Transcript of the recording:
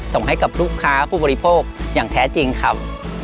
ส่งให้กับลูกค้าผู้บริโภคอย่างแท้จริงครับ